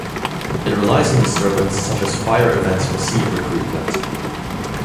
It relies on disturbance such as fire events for seed recruitment.